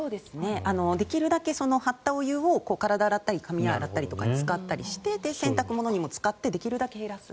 できるだけ張ったお湯を体を洗ったり髪を洗ったりするのに使ったりして洗濯物にも使ってできるだけ減らす。